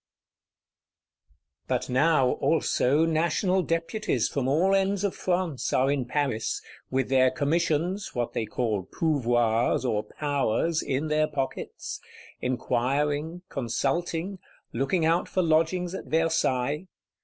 But now also National Deputies from all ends of France are in Paris, with their commissions, what they call pouvoirs, or powers, in their pockets; inquiring, consulting; looking out for lodgings at Versailles.